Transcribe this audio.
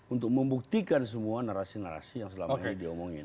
untuk membuktikan semua narasi narasi yang selama ini diomongin